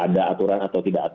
ada aturan atau tidak